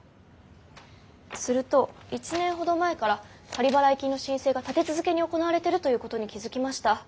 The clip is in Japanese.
すると１年ほど前から仮払い金の申請が立て続けに行われてるということに気付きました。